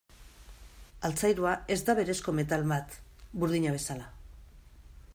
Altzairua ez da berezko metal bat, burdina bezala.